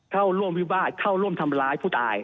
เข้าร่วมวิวาสเข้าร่วมทำร้ายผู้ตาย